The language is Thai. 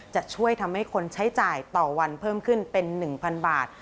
จะช่วยทำให้คนใช้จ่ายต่อวันเพิ่มขึ้นเป็น๑๐๐๐บาท